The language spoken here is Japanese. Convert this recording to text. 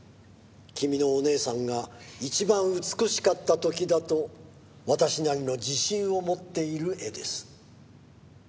「君のお姉さんが一番美しかった時だと私なりの自信を持っている絵です」